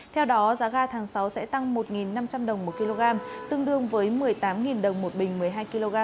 theo đó giá ga tháng sáu sẽ tăng một năm trăm linh đồng một kg tương đương với một mươi tám đồng một bình một mươi hai kg